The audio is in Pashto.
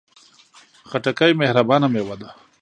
خټکی مهربانه میوه ده.